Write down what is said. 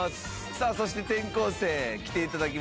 さあそして転校生来て頂きました。